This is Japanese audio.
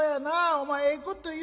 お前ええこと言うがな。